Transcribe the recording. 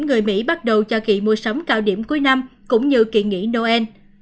người mỹ bắt đầu cho kỵ mùa sống cao điểm cuối năm cũng như kỵ nghỉ noel